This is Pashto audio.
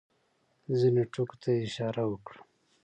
ځینو ټکو ته یې اشاره وکړه.